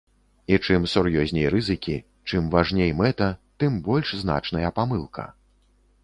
І чым сур'ёзней рызыкі, чым важней мэта, тым больш значныя памылка.